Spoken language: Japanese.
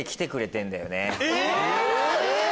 え⁉